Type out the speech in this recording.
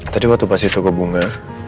tadi waktu pas di toko bunga